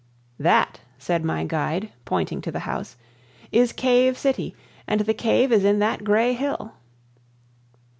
"That," said my guide, pointing to the house, "is Cave City, and the cave is in that gray hill."